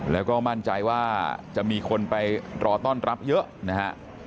แล้วก็มั่นใจว่าจะมีคนไปรอต้อนรับเยอะนะฮะ